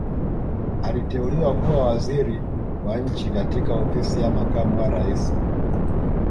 Aliteuliwa kuwa Waziri wa Nchi katika Ofisi ya Makamu wa Rais